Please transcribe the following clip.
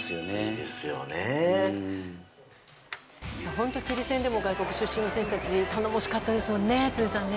本当、チリ戦でも外国出身選手たち頼もしかったですよね、辻さん。